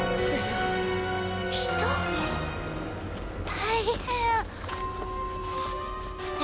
大変！